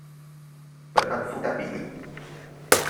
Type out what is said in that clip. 本案負擔比例